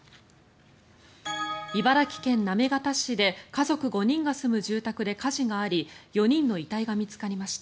茨城県行方市で家族５人が住む住宅で火事があり４人の遺体が見つかりました。